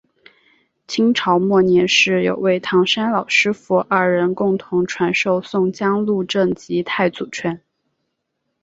清朝末年是有位唐山老师父二人共同传授宋江鹿阵及太祖拳。